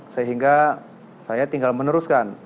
sehingga saya tinggal meneruskan